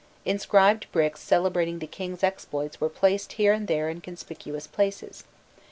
Inscribed bricks celebrating the king's exploits were placed here and there in conspicuous places.